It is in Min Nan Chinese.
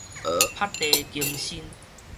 覆地弓身